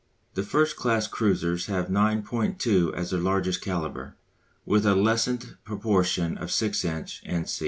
The first class cruisers have 9.2 as their largest calibre, with a lessened proportion of 6 inch, &c.